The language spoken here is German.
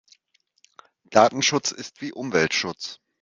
Datenschutz ist wie Umweltschutz.